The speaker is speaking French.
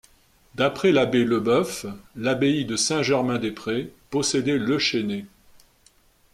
D'après l'abbé Lebeuf, l'Abbaye de Saint-Germain-des-Prés possédait Le Chesnay.